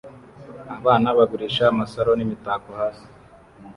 Abana bagurisha amasaro n'imitako hasi